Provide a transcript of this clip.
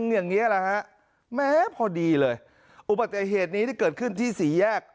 อย่างนี้แหละฮะแม้พอดีเลยอุบัติเหตุนี้ที่เกิดขึ้นที่สี่แยก